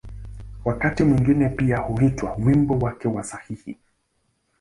Wakati mwingine pia huitwa ‘’wimbo wake wa sahihi’’.